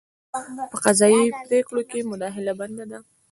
په قضايي پرېکړو کې مداخله بنده کړه.